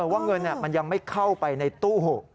ว่าเงินมันยังไม่เข้าไปในตู้๖